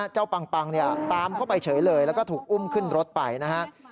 เจ้าปังปังตามเข้าไปเฉยเลยแล้วก็ถูกอุ้มขึ้นรถไปนะฮะ